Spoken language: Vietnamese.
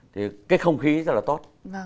thì cái không khí rất là tốt